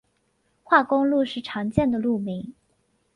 化工路是常见的路名。